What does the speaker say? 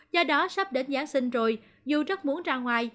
do đó sắp đến giáng sinh rồi dù rất muốn ra ngoài